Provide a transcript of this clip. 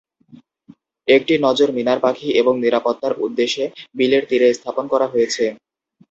একটি নজর মিনার পাখি এবং নিরাপত্তার উদ্দেশ্যে বিলের তীরে স্থাপন করা হয়েছে।